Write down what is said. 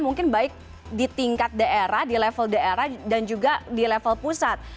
mungkin baik di tingkat daerah di level daerah dan juga di level pusat